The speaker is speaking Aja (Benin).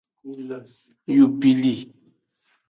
Yubili.